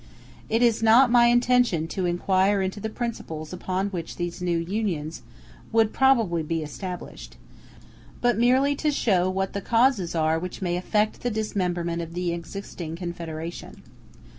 It is not my intention to inquire into the principles upon which these new unions would probably be established, but merely to show what the causes are which may effect the dismemberment of the existing confederation.